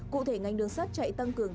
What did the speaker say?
cụ thể ngành đường sắt chạy tăng cường